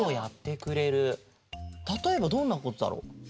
たとえばどんなことだろう？